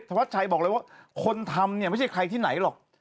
วัดชัยบอกเลยว่าคนทำเนี่ยไม่ใช่ใครที่ไหนหรอก